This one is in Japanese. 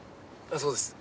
そうです。